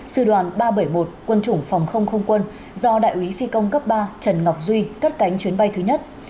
sư đoàn ba trăm bảy mươi một quân chủng phòng không không quân do đại úy phi công cấp ba trần ngọc duy cất cánh chuyến bay thứ nhất